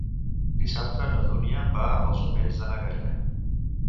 Dissabte na Dúnia va als Omells de na Gaia.